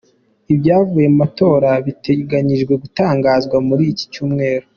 Ibyavuye mu matora biteganyijwe gutangazwa muri iki cyumweru.